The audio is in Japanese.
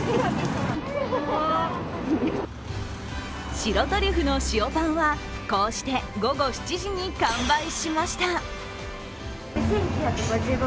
白トリュフの塩パンはこうして、午後７時に完売しました。